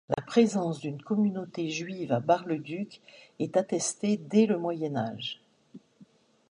La présence d'une communauté juive à Bar-le-Duc est attestée dès le Moyen Âge.